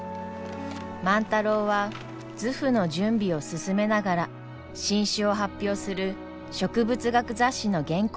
万太郎は図譜の準備を進めながら新種を発表する植物学雑誌の原稿も書いていました。